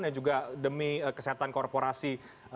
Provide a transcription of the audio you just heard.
dan juga demi kesehatan korporasi